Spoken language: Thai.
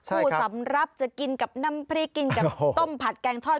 ผู้สำรับจะกินกับน้ำพริกกินกับต้มผัดแกงทอด